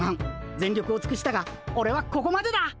全力を尽くしたがオレはここまでだ。